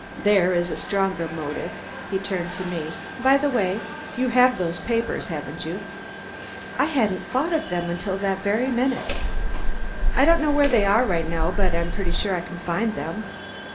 There is a stronger motive." He turned to me. "By the way, you have those papers, haven't you?" I hadn't thought of them until that very minute. "I don't know where they are right now, but I'm pretty sure I can find them."